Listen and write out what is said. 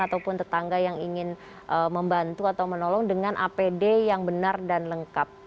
ataupun tetangga yang ingin membantu atau menolong dengan apd yang benar dan lengkap